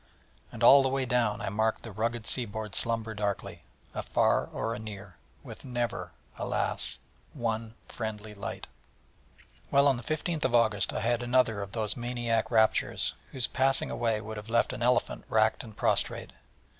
And all the way down I marked the rugged sea board slumber darkling, afar or near, with never, alas! one friendly light. Well, on the 15th August I had another of those maniac raptures, whose passing away would have left an elephant racked and prostrate.